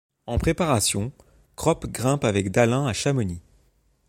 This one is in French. En préparation, Kropp grimpe avec Dahlin à Chamonix.